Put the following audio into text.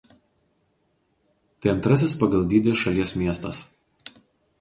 Tai antrasis pagal dydį šalies miestas.